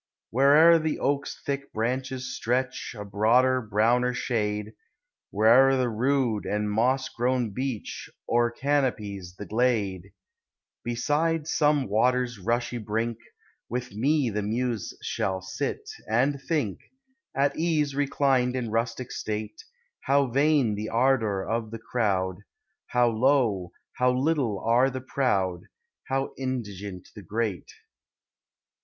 Where'er the oak's thick branches stretch A broader, browner shade. Where'er the rude and moss grown beech O'ercanopies the glade, Beside some water's rushy brink Witli mo the Muse shall sit, and think (At ease reclined in rustic stale) How vain the ardor of the crowd, How low, how little are the proud, llow indigent the great